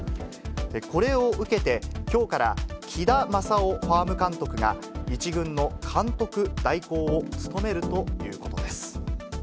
これを受けてきょうから、木田優夫ファーム監督が、１軍の監督代行を務めるということです。